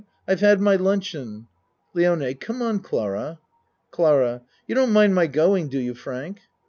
I've had my lun cheon. LIONE Come on, Clara. CLARA You don't mind my going, do you, Frank?